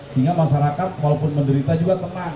sehingga masyarakat walaupun menderita juga tenang